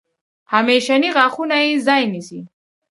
همیشني غاښونه یې ځای نیسي.